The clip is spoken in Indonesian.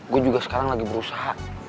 gue juga sekarang lagi berusaha